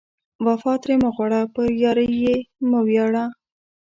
وفا ترې مه غواړه، په یارۍ یې مه ویاړه